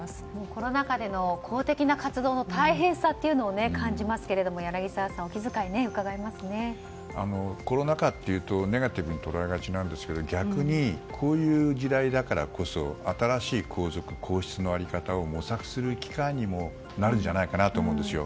コロナ禍での公的な活動の大変さというのを感じますけれど柳澤さんお気遣いがコロナ禍というとネガティブにとらえがちなんですけど逆にこういう時代だからこそ新しい皇族、皇室の在り方を模索する機会にもなるんじゃないかと思うんですよ。